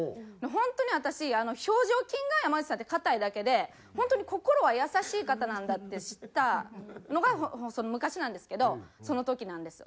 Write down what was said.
本当に私表情筋が山内さんって硬いだけで本当に心は優しい方なんだって知ったのが昔なんですけどその時なんです。